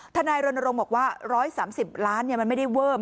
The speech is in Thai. ทนายรณรงค์บอกว่า๑๓๐ล้านมันไม่ได้เวิบ